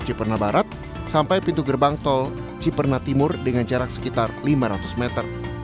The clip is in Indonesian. ciperna barat sampai pintu gerbang tol ciperna timur dengan jarak sekitar lima ratus meter